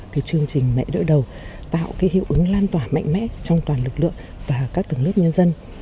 cái chương trình mẹ đỡ đầu tạo cái hiệu ứng lan tỏa mạnh mẽ trong toàn lực lượng và các tầng lớp nhân dân